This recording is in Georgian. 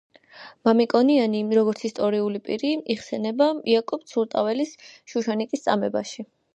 მამიკონიანი როგორც ისტორიული პირი იხსენიება იაკობ ცურტაველის „შუშანიკის წამებაში“.